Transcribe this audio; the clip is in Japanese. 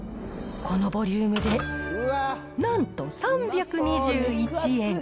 このボリュームで、なんと３２１円。